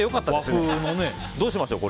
これ、どうしましょう？